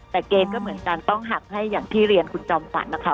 แต่เกณฑ์ก็เหมือนกันต้องหักให้อย่างที่เรียนคุณจอมฝันนะคะ